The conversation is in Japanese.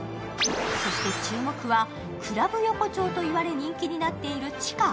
そして注目は、クラブ横丁と言われ人気になっている地下。